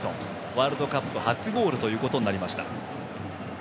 ワールドカップ初ゴールということになりました。